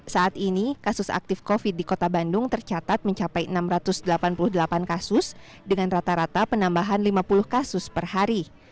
saat ini kasus aktif covid di kota bandung tercatat mencapai enam ratus delapan puluh delapan kasus dengan rata rata penambahan lima puluh kasus per hari